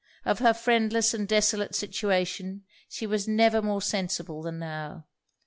Of her friendless and desolate situation, she was never more sensible than now.